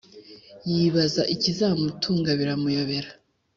yibaza ikizamutunga biramuyobera